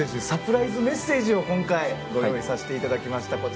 サプライズメッセージを今回ご用意させていただきました。